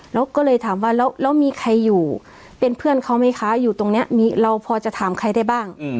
แล้วก็เลยถามว่าแล้วมีใครอยู่เป็นเพื่อนเขาไหมคะอยู่ตรงนี้เราพอจะถามใครได้บ้าง